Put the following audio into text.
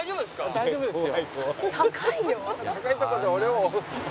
大丈夫ですよ。